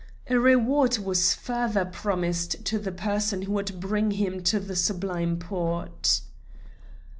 A reward was further promised to the person who would bring him to the Sublime Porte.